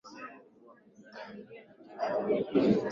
fahamu kuwa mashindano ya redio yanahitaji ubunifu mkubwa sana